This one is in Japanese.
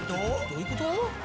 どういうこと？